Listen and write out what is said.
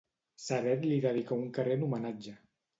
Ceret li dedicà un carrer en homenatge.